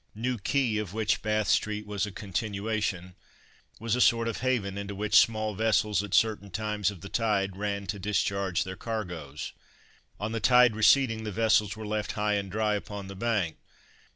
New Quay, of which Bath street was a continuation, was a sort of haven, into which small vessels, at certain times of the tide, ran to discharge their cargoes. On the tide receding the vessels were left high and dry upon the bank.